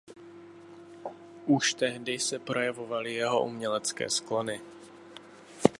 Už tehdy se projevovaly jeho umělecké sklony.